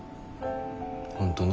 本当に？